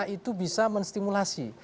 itu bisa menstimulasi